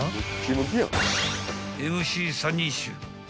［ＭＣ３人衆］